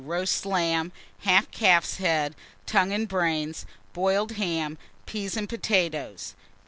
Roast lamb, half calf's head, tongue and brains, boiled ham, peas and potatoes.